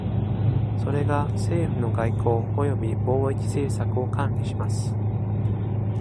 それが政府の外交および貿易政策を管理します。